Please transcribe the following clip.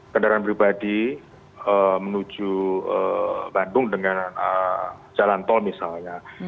kendaraan pribadi menuju bandung dengan jalan tol misalnya